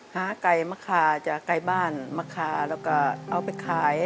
ไก่มะขาจากไก่บ้านมะขาแล้วก็เอาไปขาย